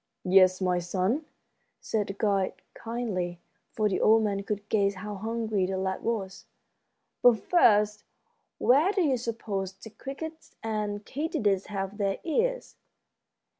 "Yes, my son," said the guide, kindly, for the old man could guess how hungry the lad was. "But, first, where do you suppose the crickets and katydids have their ears?"